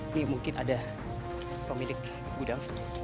ini mungkin ada pemilik gudang